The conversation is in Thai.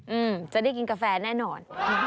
อืมจะได้กินกาแฟแน่นอน